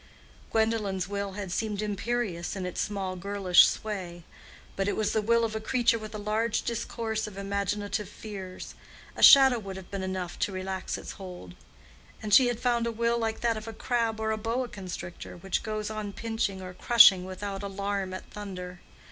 Gwendolen's will had seemed imperious in its small girlish sway; but it was the will of a creature with a large discourse of imaginative fears: a shadow would have been enough to relax its hold. And she had found a will like that of a crab or a boa constrictor, which goes on pinching or crushing without alarm at thunder.